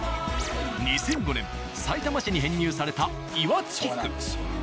２００５年さいたま市に編入された岩槻区。